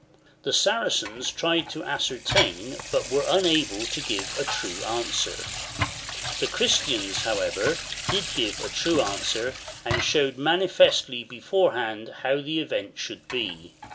The Saracens tried to ascertain, but were unable to give a true answer ; the Christians, however, did give a true answer, and showed manifestly beforehand how the event should be.